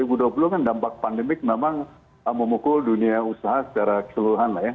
dua ribu dua puluh kan dampak pandemik memang memukul dunia usaha secara keseluruhan lah ya